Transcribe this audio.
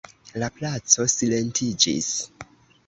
La placo silentiĝis.